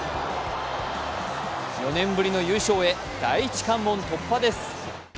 ４年ぶりの優勝へ第一関門突破です